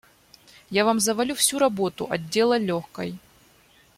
Я вам завалю всю работу отдела легкой.